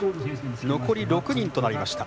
残り６人となりました。